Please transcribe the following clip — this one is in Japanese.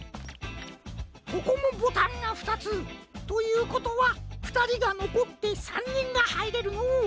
ここもボタンがふたつ。ということはふたりがのこって３にんがはいれるのう。